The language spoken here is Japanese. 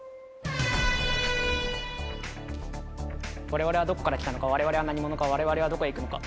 『我々はどこから来たのか我々は何者か我々はどこへ行くのか』。